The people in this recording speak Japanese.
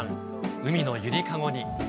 海の揺りかごに。